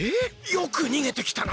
よくにげてきたな。